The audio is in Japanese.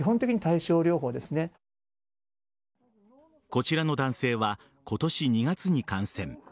こちらの男性は今年２月に感染。